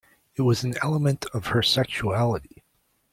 It was an element of her sexuality.